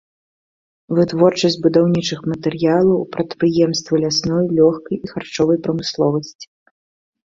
Вытворчасць будаўнічых матэрыялаў, прадпрыемствы лясной, лёгкай і харчовай прамысловасці.